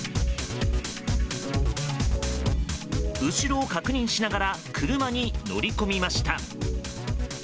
後ろを確認しながら車に乗り込みました。